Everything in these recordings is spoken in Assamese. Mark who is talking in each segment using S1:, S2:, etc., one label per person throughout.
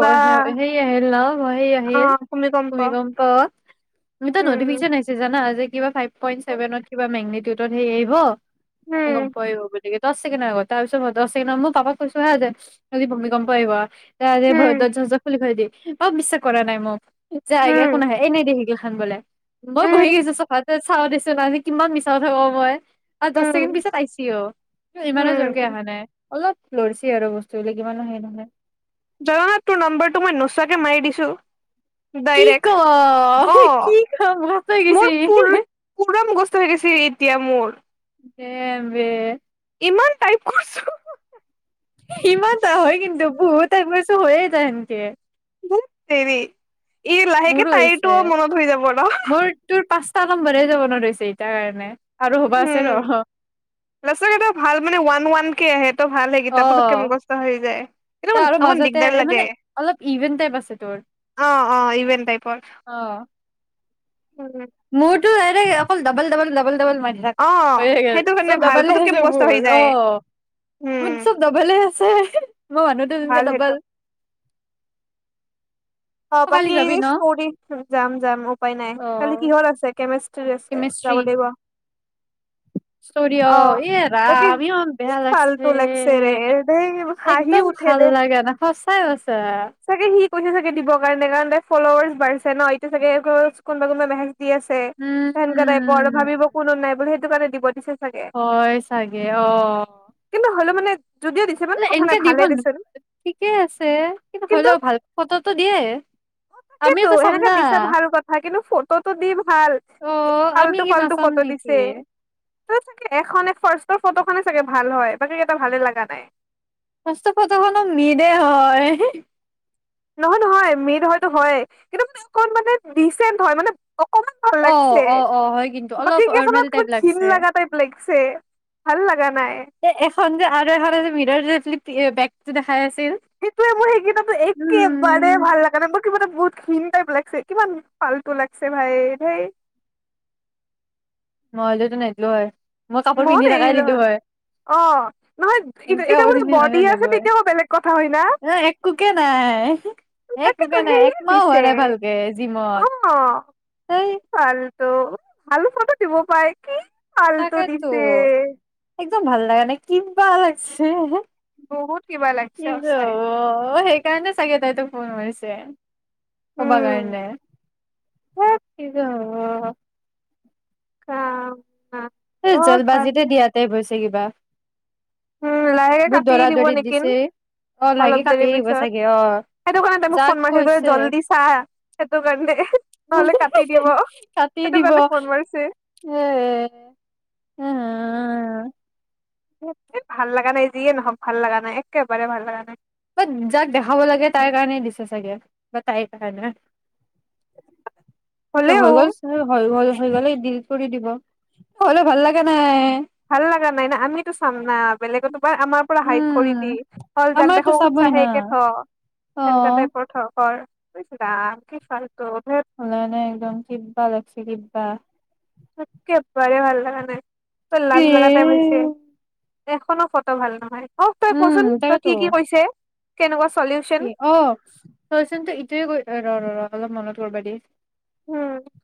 S1: বা
S2: ন', হেই
S1: অ
S2: আহিল
S1: ভূমিকম্প
S2: ভুমিকম্প তুমিতো কিবা
S1: উম
S2: নটিফিকেচন আহিছেজানা যে কিবা ফাইভ পইণ্ট চেভেন মেগনেট কিবা মে, [unintelligible] হেৰি আহিব।
S1: উম
S2: ভুমিকম্পই আহিব বুলি। দচ -ছেকেণ্ড আগত তাৰ পিছতে দচ-ছেকেণ্ড মই পাপাক কৈছোঁ হা যে আজি ভুমিকম্প আহিব।
S1: উম
S2: [unintelligible] অঁ বিশ্বাস কৰা নাই তাই মোক। যায়গা
S1: উম
S2: একো নাহে এনেই দেখেগে। তাত গ'লে। মই বহি
S1: উম
S2: গৈছো চফাত, চাওঁ দেচোন আজি কিমান মিছা কথা কব পাৰোঁ মই, আৰু দচ -ছেকেণ্ড
S1: উম
S2: পিছত আহিছি অ', ইমানো জোৰকে
S1: উম
S2: আহা নাই। অলপ লৰিছি আৰু বস্তুবিলাক ইমানো সেই নহয়,
S1: জগন্নাথ, তোৰ নম্বৰটো মই নোচোৱাকে মাৰি দিছোঁ।
S2: কি' -ক ', কি', খাম ভাল পাইগৈছি। [unintelligible]
S1: থয়গেচি এতিয়া মোৰ,
S2: এ, বে,
S1: ইমান টাইপ কৰিছো।
S2: সিমানটা হয়, কিন্তু বহুত হয়। ত ', হৈয়ে যায় হেনকে
S1: বহুত দেৰি, ইৰ ', লাহেকে
S2: মোৰো হৈছে
S1: তাইটো মনত হৈ যাব ন',
S2: মোৰ [unintelligible] আছে ৰ
S1: উম', ৰহচোন ভাল মানে ওৱান-ওৱান কে', আহে ভাল
S2: অ
S1: সেইকেইটা পোটুকে মুখস্থ হৈ যায়।
S2: ত
S1: কি
S2: আৰু
S1: অকমান
S2: মাজতে
S1: দিগদাৰ লাগে
S2: মানে অলপ ইভেন টাইপ আছে তোৰ
S1: অ', - অ', ইভেন টাইপৰ। উম
S2: মোৰ টো', অকল ডাবল', - ডাবল ', - ডাবল ', ডাবলে মাৰি থাক
S1: অ
S2: হৈ গল
S1: সেইটো কাৰণে
S2: চব
S1: ভাল
S2: ডবালে
S1: পুতুককে
S2: আহিছে,
S1: মুখস্থ হৈ
S2: মোৰ',
S1: যায়
S2: অ', মোৰ চব
S1: উম
S2: ডাবালে আছে। মই', মানুহটো যেনকে
S1: ভাল সেইটো
S2: ডাবাল,
S1: অ', বাকী
S2: যাবি ন
S1: ষ্টৰী যাম-যাম উপায় নাই
S2: অ
S1: কালি কিহৰ আছে? [unintelligible] চলি আছে যাব লাগিব।
S2: ষ্টৰি, '
S1: অ
S2: অহ', ইয়ে,
S1: বাকী
S2: ৰাম ইমান
S1: কি
S2: বেয়া
S1: ফাল্টু
S2: লাগছে,
S1: ৰে ধেই হাঁহি
S2: একদম
S1: উঠে দে
S2: ভাল লাগে নাই সচাই কৈছোঁ আৰু।
S1: ফলোৱাৰ্শ বাঢিছে ন এতিয়া চাগে কোনোবা কোনোবা মেহে আছে সেনেকা টাইপৰ আৰু
S2: উম
S1: ভাবিব কোনো নাই বুলি টোকানে দিব দিছে চাগে
S2: হয় চাগে অ
S1: কিন্তু হ'লেও মানে যদিও দিছে মানে
S2: লে
S1: কথা নাই
S2: এনেকে
S1: ভালে
S2: দিবন
S1: দেচোন
S2: ঠিকে আছে কিন্তু হয় লও ভাল ফটো
S1: অ তাকেতো সেনেকাে দিছে ভাল কথা কিন্তু ফটোটো দি ভাল
S2: অ
S1: কি
S2: আমি
S1: ফাল্টু
S2: কি
S1: ফাল্টু
S2: নাচাম
S1: ফটো
S2: নেকি
S1: দিছে ত এখন তোৰ ফটো খনে চাগে ভাল হয় বাকী কেইটা ভালে লগা নাই।
S2: সচ কতখনো মিলে হয় [unintelligible]
S1: নহয় নহয় মেদ হয়তো হয় কিন্তু মানে অকণ মানে ডিচেণ্ট হয় মানে অকমান ভাল
S2: অ
S1: লাগছে
S2: অ অ হয় কিন্তু অলপ
S1: বাকী
S2: ফৰ্মেল
S1: কেইখনত ক
S2: টাইপ
S1: খিন
S2: লাগছে
S1: লগা টাইপ লাগিছে। ভাল লাগে নাই
S2: এ এখন যে আৰু ভিতৰ টো ক্লিপ বেগটো দেখাই আছে
S1: সেইটোৱেফ মোৰ সেইকেইটা টো একেবাৰে
S2: উম
S1: ভাল লাগা নাই মোৰ কিবা এটা বহুত খিন টাইপ লাগিছে কিবা পাল্টু লাগছে ভাই হেই
S2: নহলেটো নদিলো হয় কাপোৰ
S1: মই
S2: পিন্ধি থাকাই
S1: এৰি
S2: দিলো হয়
S1: লয় অ নহয়
S2: এনেকে
S1: এতিয়া
S2: কাপোৰ
S1: বো
S2: পিন্ধি
S1: বৰ
S2: থাকাই
S1: দিয়ে আছে
S2: নিলো হয়
S1: তেতিয়াও বেলেগ কথা হয় না
S2: এ একোকে নাই
S1: তাকেটো
S2: একোকে নাই
S1: হেৰিয়ে
S2: একমাহ হোৱা
S1: দিছে
S2: নাই ভালকে জিমত
S1: অ
S2: এই
S1: ফাল্টু ভাল দিব পায় কি দিছে
S2: এক ভাল লগা নাই কিবা লাগছে
S1: বহুত কিবা
S2: কি
S1: লাগিছে
S2: যে
S1: সঁচাই।
S2: হব সেইকাৰণে চাগে তাইতো ফনমাৰিছে অ'ব গ
S1: উম,
S2: এণে
S1: ধেৎ
S2: [unintelligible] অ
S1: অ অ
S2: এই জলবাজিতে দিয়াতে গৈছে থাকিবা
S1: উম লাহেকে কাটি দিব নেকি
S2: অ লাগি
S1: অলপ দেৰি
S2: কাটিয়ে দিব
S1: পিছত
S2: চাগে অ
S1: সেইটো কাৰণে ত মোক
S2: যাক
S1: ফোন মাৰিছিল ত
S2: কৈছে
S1: জল্দি চা সেইটো কাৰণে নহ'লে কাটি দিব
S2: কাটি
S1: সেইটো
S2: দিব
S1: কাৰণে ফোন মাৰিছে।
S2: এ হ
S1: ভাল লগা নাই যিয়ে নহক ভাল লগা নাই একেবাৰে ভাল লগা নাই
S2: বা যাক দেখাব লাগে তাই কাৰণে দিছে চাগে বা তাইৰ কাৰণে হৈ
S1: হ'লেও
S2: গ'ল চ হৈ গ'ল হৈ গলে ডিল কৰি দিব হলে ভাল লাগে নাই
S1: ভাল লগা নাই না আমিতো চাম ন বেলেগত তোমাৰ আমাৰ পৰা হাইট কৰি দি
S2: উম
S1: হল যাক
S2: আমাৰতো
S1: দেখাৱ খুজিছা
S2: চাবই না
S1: সেই কে থ
S2: অ
S1: সেনেকা টাইপৰ থ কৰ ইছ ৰাম কি ফাল
S2: এনেই এনেই আহি যাম কিবা লাগছে কিবা
S1: একেবাৰে ভাল লগা নাই ত
S2: এ
S1: লাজ লগা টাইব হৈছে এখনো ফটো ভাল নহয় অওক তই
S2: উম
S1: কচোন তই
S2: তাকেতো
S1: কি কি কৈছে কেনকোৱা চ
S2: কি অ তইচোনতো ইতিয়াই গৈ ৰ ৰ ৰ অলপ মনত কৰিবা দেই
S1: উম ক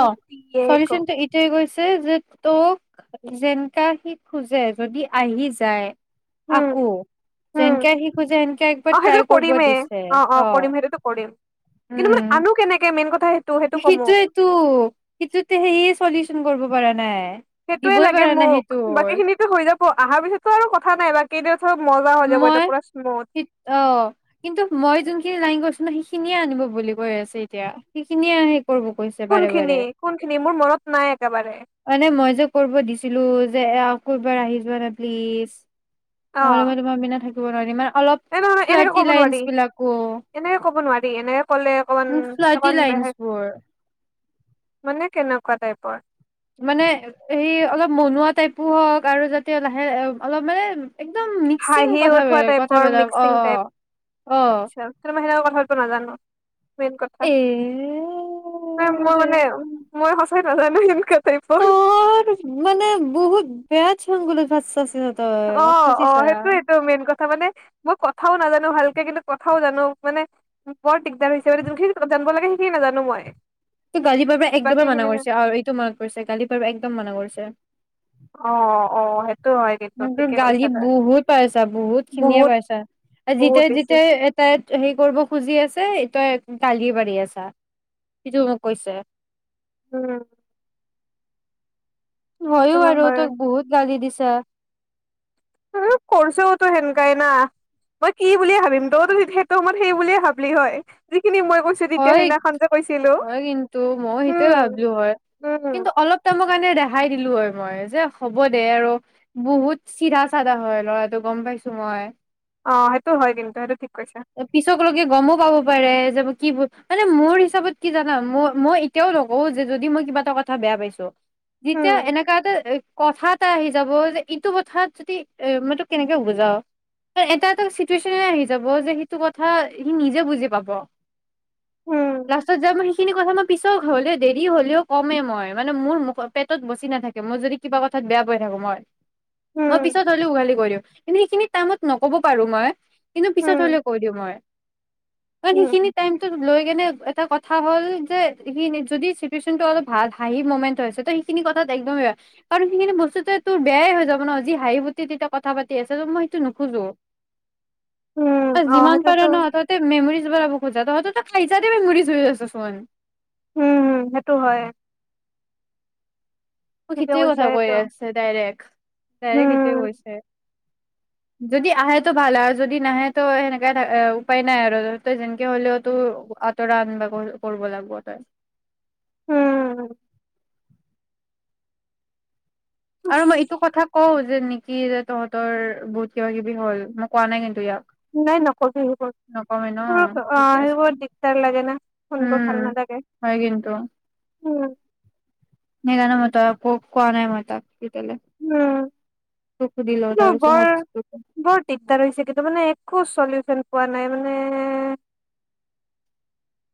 S2: অ
S1: দিয়ে ক
S2: চলিউশ্যনটো ইতিয়াই গৈ যে তোক যেনেকা সি খোজে যদি আহি যায়
S1: উম
S2: আকৌ
S1: উম
S2: যেনকে শিকো যে সেনকে একবাৰ
S1: অ
S2: ট্ৰাই
S1: সেইটোতো
S2: কৰিব
S1: কৰিমেই
S2: দিছে অ
S1: কৰিম সেইটোতো কৰিম কিন্তু মানে
S2: উম
S1: আনো কেনেকে মেইন কথা সেইটো সেইটো কমো
S2: সিটোয়েটো সিটোত সেয়ে চলিউচন কৰিব পৰা নাই
S1: সেইটোয়ে
S2: দিবই
S1: লাগে
S2: পৰা নাই
S1: মোক বাকী
S2: সেইটোৰ
S1: খিনিতো হৈ যাব অহাৰ পিছততো আৰু কথা নাই বাকী কিনো
S2: মই অ কিন্তু মই যোনখিনি লাইন কৰিছো ন সি খিনিয়ে আনিব বুলি কৈ আছে এতিয়া সেইখিনিয়ে আহে কৰিব কৈছে বাৰে বাৰে
S1: কোনখিনি কোনখিনি মোৰ মনত নাই একেবাৰে
S2: মানে মই যে কৰিব দিছিলো যে এ কবাৰ আহি যোৱা নে প্লিজ
S1: অ
S2: নহ'লে মই তোমাৰ বিনা থাকিব নোৱাৰিম মানে
S1: এ নহয় নহয় এনেকে কব নোৱাৰি এনেকে কব নোৱাৰি এনেকে কলে অকমান
S2: ফ্লাৰ্টি
S1: অকমান বে
S2: লাইনচ বোৰ
S1: মানে কেনেকোৱা টাইপৰ
S2: মানে এই অলপ মনোৱা টাইপো হওক আৰু যাতে লাহে অলপ মানে একদম মিক্সিং
S1: হাঁহি উঠোৱা
S2: কথাবিলাক
S1: টাইপৰ
S2: কথাবিলাক অ
S1: মিক্সিং
S2: অ
S1: টাইপ
S2: অ
S1: আচ্ছা কিন্তু মই সেনকা কথা পতিব নাজানো মেইন কথা
S2: এ
S1: মই মানে মই মই নাজানো সেনকা
S2: ত মানে বহুত পিয়াজ সংগুল ভাত চাছে
S1: অ অ সেইটোয়েইটো মেইন কথা মানে মোক ক কথাও নাজানো ভালকে কিন্তু কথাও জানো মানে বৰ দিগদাৰ হৈছে মানে যোনখিনি জান লাগে সেইখিনি নাজানো মই
S2: ত গালি পাৰ্বা
S1: বাকী
S2: একদমেই মানা
S1: খিনি
S2: কৰিছে আৰু এইটো মান কৰিছে গালি পাৰ্বা একদম মানা কৰিছে ত
S1: অ অ সেইটো হয় কিন্তু
S2: তোৰ
S1: ঠিকে
S2: গালি
S1: কৈছা তই
S2: বহুত পাইছা বহুত খিনিয়ে পাইছা
S1: বহুত
S2: যেতিয়া
S1: বেছি
S2: যেতিয়া এ তাই হেৰি কৰিব খুজি আছে তই একদ কালি পাৰি আছা সটোক কৈছে
S1: উম
S2: হয়য়ো
S1: সেইটো
S2: আৰু
S1: হয়
S2: তাক বহুত গালি দিছে ছ [inaudible]
S1: কৰছও তো সেনকাই না মই কি বুলিয়ে ভাবিম তইতো সেটো সময়ত সেই বুলিয়ে ভাবলি হয় যিখিনি মই কৈছো তেতিয়া
S2: হয়
S1: সেইদিনাখন যে কৈছিলো
S2: হয় কিন্তু মইও সেইটোয়ে
S1: উম
S2: ভাবিলো হয়
S1: উম
S2: কিন্তু অলপ টামমৰ কাৰণে ৰেহাই দিলো হয় মই যে হ'ব দে আৰু বহুত চিধা চাধা হয় ল'ৰাটো গম পাইছো মই
S1: অ সেইটো হয় কিন্তু সেইটো ঠিক কৈছা
S2: পিছক লকে গমো পাব পাৰে যে কিবোৰ মানে মোৰ হিচাপত কি জানা ম মই এতিয়াও নকওঁ যে যদি মই কিবা এটা কথা বেয়া পাইছো যেতিয়া
S1: উম
S2: এনেকা এটা কথাত এটা আহি যাব যে ইটো কথাত যদি এ মই তোক কেনেকে বুজাও এটা এটা চিটুৱেশচনে আহি যাব যে সিটো কথা সি নিজে বুজি পাব
S1: উম
S2: লাষ্টত যায় মই সেই খিনি কথা মই পিছৰ হলেও দেৰি হলেও কমে মই মানে মোৰ মুখ পেটত বচি নাথাকে মই যদি কিবা কথাত বেয়া পাই থাকো মই মই
S1: উম
S2: পিছত হ'লেও উঘালি কই দিওঁ কিন্তু সেইখিনি কামত নক'ব পাৰোঁ মই। কিন্তু পিছত
S1: উম
S2: হ'লেও কৈ দিওঁ মই কাৰণ
S1: উম
S2: সেইখিনিত। লৈ কেনে এটা কথা হ'ল যে সি যদি চিটুৱেশচনটো অলপ ভাল হাঁহি মমেন্ট হৈছে ত সেইখিনি কথাত একদমেই কাৰণ সেইখিনি বস্তু তোৰ বেয়াই হৈ যাব ন যি হাঁহি ফুৰ্তি তেতিয়া কথা পাতি আছে ত মই সেইটো নোখোজোঁ।
S1: উম অ
S2: যিমান পাৰে
S1: সেইটোতো
S2: ন তাতে মেমৰিজ বা [inaudible]
S1: উম হম সেইটো হয়।
S2: মোক
S1: ঠিকে
S2: সিটোৱে
S1: কৈছা
S2: কথা কৈ
S1: সেইটো
S2: আছে ডাইৰেক্ট ডাইৰেক্ট সেইটোৱে
S1: উম
S2: কৈছে। যদি আহে টো ভাল আৰু যদি নাহে তো সেনেকাই এ উপায় নাই আৰু তই যেনেকে হ'লেও তো আঁতৰা আনিব কৰিব লাগিব তই।
S1: উম উফ
S2: আৰু মই এইটো কথা কওঁ যে নেকি যে তহঁতৰ বহুত কিবা কিবি হ'ল মই কোৱা নাই কিন্তু ইয়াক।
S1: নাই নকবি
S2: নকমে ন
S1: সেইবোৰ অতহ
S2: ঠিকে
S1: আহ
S2: আছে
S1: সেইবোৰ দিগদাৰ লাগে ন শুনিব ভাল
S2: উম
S1: নালাগে
S2: হয়
S1: উম।
S2: নেজানো মই তাক কোৱা নাই মই তাক। তেতিয়ালে
S1: উম
S2: তোক সুধি লওঁ
S1: কিন্তু
S2: তাৰপিছত
S1: বৰ
S2: ভাবিছো
S1: বৰ দিগদাৰ হৈছে কিন্তু মানে একো চলিচন পোৱা নাই মানে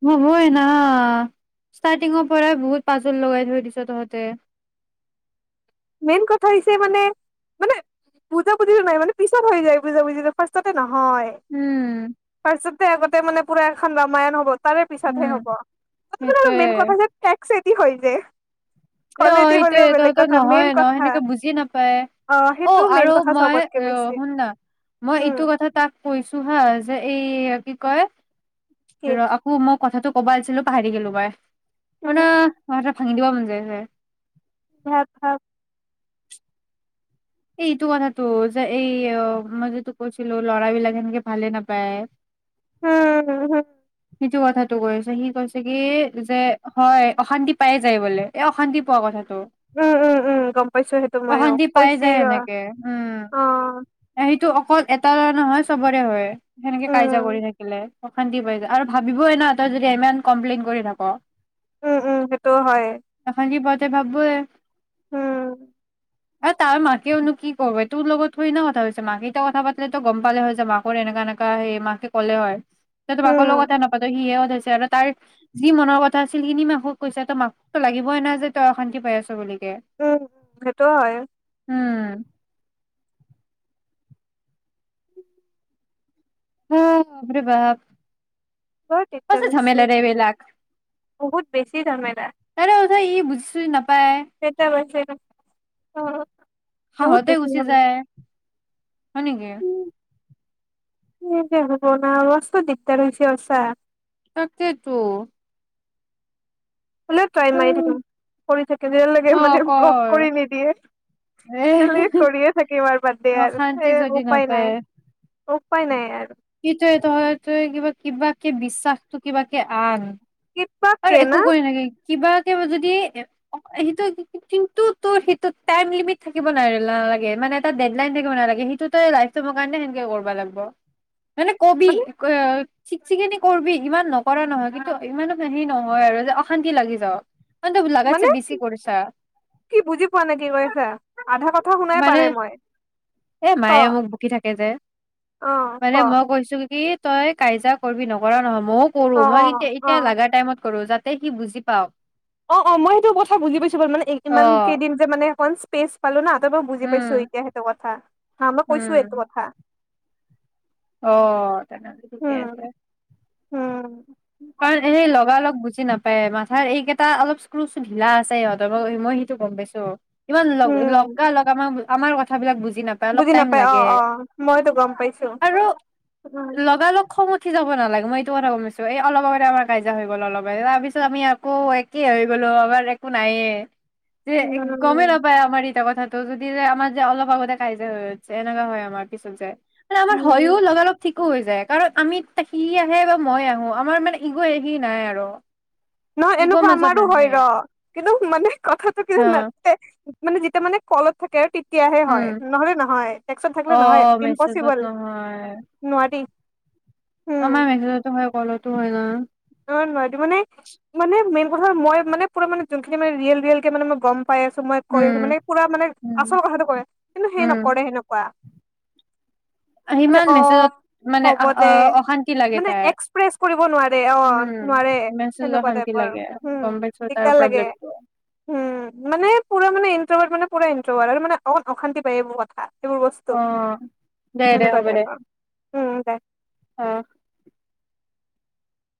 S2: হ'বই না ষ্টাৰ্টিঙৰ পৰাই বহুত পাজুল লগাই থৈ দিছ তহঁতে।
S1: মেইন কথা হৈছে মানে মানে বুজা বুজিটো নাই মানে পিছত হৈ যায় বুজা বুজিটো ফাৰ্ষ্টতে নহয়। হয়
S2: উম
S1: তাৰ পাছতেই আগতে মানে। পুৰা এখন ৰাামায়ণ হ'ব। তাৰে পিছত হে
S2: উম
S1: হ'ব
S2: সেইটোয়ে
S1: মেইন কথা। কি কৰি যে।
S2: অ
S1: কলেদি হ'লেও
S2: এইটোয়ে
S1: বেলেগ
S2: তহতে
S1: কথা
S2: নহয়
S1: মেইন
S2: ন
S1: কথা
S2: সেনেকে বুজি নাপায় অ
S1: সেইটো মেইন
S2: আৰু
S1: কথা
S2: মই
S1: চবতকে
S2: অ
S1: বেছি
S2: শুন না মই এইটো
S1: উম
S2: কথা তাক কৈছোঁ হা যে। এই কি কয়
S1: কি
S2: ৰহ আকৌ মই কথাাতটো ক'ব আহিছিলোঁ পাহৰি থাকিলোঁ মই।
S1: উম
S2: আপোনাৰ ভাঙি দিব মন যায় হয়
S1: ভাত খাওঁক
S2: এইটো কথাটো যে এই মই যে তোক কৈছিলোঁ ল'ৰাবিলাক সেনেকে ভালে নাপায়।
S1: উম হম
S2: সিটো কথাটো কৈছে। সি কৈছে কি যে হয় অশান্তি পায়ে যায় বোলে। এ অশান্তি পোৱা কথাটো।
S1: উম উম উম গম পাইছোঁ সেইটো মইয়ো অ
S2: অশান্তি পাই যায়
S1: কৈছিল ৰ
S2: সেনেকে উম
S1: অ
S2: সেইটো অকল এটা ল'ৰা নহয় চবৰে হয়। সেনেকে
S1: উম
S2: কাজিয়া কৰি থাকিলে। অশান্তি পাই যায় আৰু ভাবিবই ন তই যদি ইমান কমপ্লেইন কৰি থাক
S1: উম উম সেইটো হয়
S2: ত ভাবয়ে
S1: উম
S2: এ তাৰ মাকেওনো কি কৰ তোৰ লগত থৈ না কথা কৈছে মাকে এতি কথা পালে তো গম পালে হয় যে মাকৰ এনেকা এনেকা হৈ মাকে কলে হয়
S1: উম
S2: কলেও কথা নাপাতে সিয়েই কৈছে আৰু তাৰ যি মনৰ কথা আছিল সেইখিনি মাকক কৈছে ত মাককতো লাগিবই ন যে তাই অশান্তি পাই আছে বুলি
S1: উম সেইটো হয়
S2: উম [unintelligible] [inaudible] হে বাপ ৰে বাপ সঁচা
S1: বল্িশ
S2: ঝামেলা
S1: [unintelligible]
S2: দে এইবিলাক
S1: বহুত বেছি ঝেমেলা
S2: অ সি বুজি-চুজি নাপায়
S1: অ [unintelligible] বহুত
S2: খঙতে
S1: বেছি
S2: গুচি
S1: জামেলা
S2: যায় হয়নেকি
S1: মই এতিয়া শুব নোৱাৰো মস্ত দিগদাৰ হৈছে আচা
S2: তাকে তো
S1: বলে ট্ৰাই মাৰি থাকিম কৰি থাকিম যেতিয়া
S2: অ',
S1: লৈকে
S2: কৰ
S1: ব্লক কৰি
S2: এ
S1: নিদিয়েয়ে কৰিয়ে থাকিম আৰু বাদ দে আৰু
S2: অশান্তি যদি
S1: উপায় নাই উপায় নাই আৰু
S2: সেটোৱে তই তই কিবা কিবাকে বিশ্বাসটো কিবাকে আন
S1: কিবা
S2: আৰু
S1: কে
S2: একো
S1: না
S2: কৰি নাথাকিবি কিবাকে যদি সেইটো কিন্তু তোৰ সেইটো টাইম লিমিট থাকিব নালাগে মানে এটা ডেটলাইন থাকিব নালাগে সেইটো তই লাইফ টাইমৰ কাৰণে সেনকে কৰিব লাগিব মানে কবি চিক চিকনি কৰিবি ইমান নকৰা নহয় কিন্তু ইমানো সেই নহয় আৰু যে অশান্তি লাগি যাওক মানে তই লাগাতছে
S1: মানে
S2: বেছি কৰিছা
S1: কি বুজি পোৱা নাই কি কৈ আছা আধা কথা শুনাই পোৱা
S2: মানে
S1: নাই মই
S2: এ
S1: ক
S2: মায়ে মোক
S1: অ
S2: বকি থাকে যে
S1: ক
S2: মানে মই কৈছো কি তই কাজিয়া কৰিবি নকৰা নহয় মইও কৰো
S1: অ
S2: মই
S1: অ
S2: কিন্তু
S1: অ
S2: এতিয়া লাগা টাইমত কৰো তই কি বুজি পাও
S1: অ অ মই সেইটো কথা বুজি পাইছো বাৰু মানে
S2: অ
S1: ইমান কেইদিন যে মানে অকমান স্পেচ পালোনা তাৰ পৰা বুজি পাইছো
S2: উম
S1: এতিয়া সেইটো কথা হা মই কৈছো এইটো
S2: উম
S1: কথা
S2: অ তেনেহলে ঠিকে আছে
S1: উম উম
S2: কাৰণ এনেই লগালগ বুজি নাপায়। হয় মাথাৰ এইকেইটা অলপ স্কো ঢিলা আছে সিহঁতৰ মই মই সেইটো গম পাইছো। ইমান লগ
S1: উম
S2: লগা লগ আামাক। আমাৰ কথাবিলাক বুজি। নাপায় অলপ
S1: বুজি
S2: টাইম
S1: নাপাই অ
S2: লাগে
S1: অ মইতো গম পাইছো
S2: আৰু
S1: উম
S2: লগালগ। খং উঠি যাব নালাগে মই এইটো কথা গমপাইছো এই অলপ আগতে আমাৰ কাজিয়া হৈ গ'ল অলপ তাৰপিছত আমি আকৌ একেই হৈ গ'লো আমাৰ একো নাইয়েই। যে গমে
S1: উম
S2: নাপায় আমাৰ এটিয়া কথা। ত' যদি যে আমাৰ যে অলপ আগতে কাজিয়া হৈ গৈছে এনেকোৱা হয় আমাৰ পিছত যে। মানে আমাৰ
S1: উম
S2: হয়য়ো লগালগ ঠিক। কো হৈ যায় কাৰণ আমি টেক সি আহে বা মই আহো আমাৰ মানে ইগ ইগি নাই আৰু।
S1: নহয়
S2: ইগ'
S1: এনেকুৱা
S2: মাজত
S1: আমাৰো হয়
S2: নাহে
S1: ৰ কিন্তু মানে কথাটো কিয়
S2: অ
S1: শুনালে। মানে যেতিয়া মানে কলত থাকে তিপ। তেতিয়াহে হয়
S2: উম
S1: নহলে নহয় টেক্সত
S2: অ
S1: থাকিলে নহয়
S2: মেছেজত
S1: ইমপচিবল
S2: নহয়
S1: নোৱাৰি।
S2: আমাৰ মেচেজতো হয় কলতো হয় নহয়।
S1: ন নহয় টো মানে মানে মেইন কথা মই মানে পৰা মানে যোনখিনি মানে ৰিয়েল ৰিয়েল কে মানে মই গম। পাই আছো মই কৈ আছো
S2: উম
S1: মানে পুৰা মানে
S2: উম
S1: আচল কথাটো কৰে কিন্তু সেই
S2: উম
S1: নকৰে সেনকোৱা।
S2: সিমান মেছেজত মানে
S1: হ'ব
S2: আহ অ
S1: দে
S2: অশান্তি লাগে
S1: মানে
S2: তা্ই।
S1: এক্সপ্ৰেছ কৰিব নোৱাৰে অ নোৱাৰে সেনেকোৱাতে উম
S2: গম পাইছো তাৰ
S1: দিগদাৰ লাগে
S2: প্ৰব্লেমটো
S1: উম মানে পুৰা। তাৰ মানে ইনটৰ মানে পোৰা ইনটৰ আৰু মানে অক অশান্তি পায় এইবোৰ কথা। এইবোৰ বস্তু
S2: অ দে দে
S1: সেনেকুৱা
S2: হ'ব দে
S1: টাইপৰ উম তাই
S2: অ।